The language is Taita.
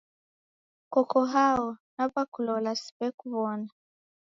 Koko hao, naw'akulola siw'ekuw'ona?